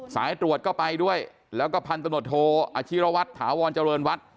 สายตรวจก็ไปด้วยแล้วก็พันตะโนโทอาชีรวรรษถาวรเจริญวรรษ